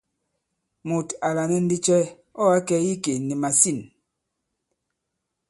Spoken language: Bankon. Mùt à lànɛ ndi cɛ ɔ̂ ǎ kɛ̀ i ikè nì màsîn ?